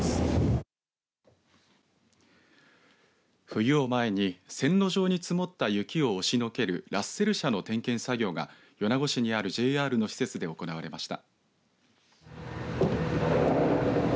冬を前に線路上に積もった雪を押しのけるラッセル車の点検作業が米子市にあるＪＲの施設で行われました。